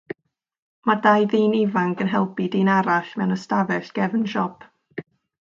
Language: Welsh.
Mae dau ddyn ifanc yn helpu dyn arall mewn ystafell gefn siop